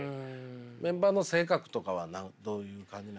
メンバーの性格とかはどういう感じなんですか？